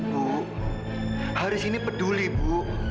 bu haris ini peduli bu